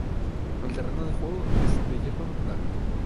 El terreno de juego es de hierba natural.